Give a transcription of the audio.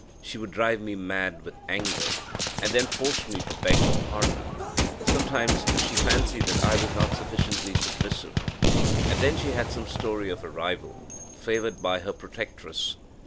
She would drive me mad with anger, and then force me to beg her pardon. Sometimes she fancied that I was not sufficiently submissive, and then she had some story of a rival, favoured by her protectress.